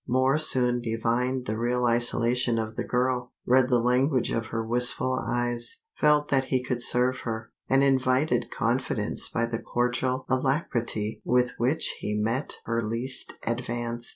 Moor soon divined the real isolation of the girl, read the language of her wistful eyes, felt that he could serve her, and invited confidence by the cordial alacrity with which he met her least advance.